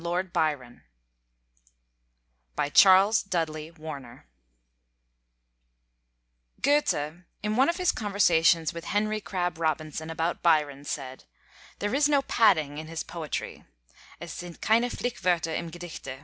LORD BYRON (1788 1824) BY CHARLES DUDLEY WARNER Goethe, in one of his conversations with Henry Crabb Robinson about Byron, said "There is no padding in his poetry" ("Es sind keine Flickwörter im Gedichte").